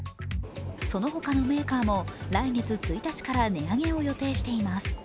その他のメーカーも来月１日から値上げを予定しています。